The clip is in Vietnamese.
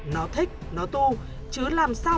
nó thích nó tu chứ làm sao